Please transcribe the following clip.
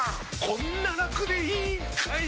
こんなラクでいいんかい！